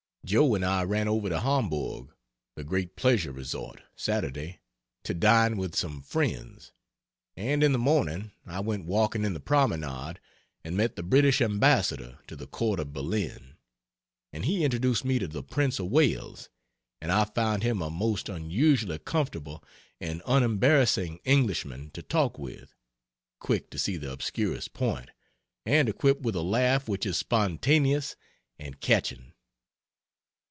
Joe and I ran over to Homburg, the great pleasure resort, Saturday, to dine with some friends, and in the morning I went walking in the promenade and met the British Ambassador to the Court of Berlin, and he introduced me to the Prince of Wales, and I found him a most unusually comfortable and unembarrassing Englishman to talk with quick to see the obscurest point, and equipped with a laugh which is spontaneous and catching.